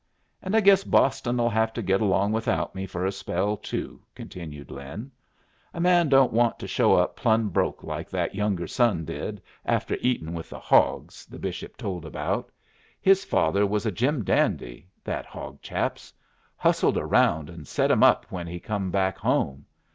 "And I guess Boston'll have to get along without me for a spell, too," continued Lin. "A man don't want to show up plumb broke like that younger son did after eatin' with the hogs the bishop told about. His father was a Jim dandy, that hog chap's. Hustled around and set 'em up when he come back home.